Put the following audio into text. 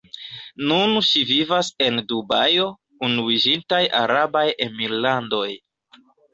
Nun ŝi vivas en Dubajo, Unuiĝintaj Arabaj Emirlandoj.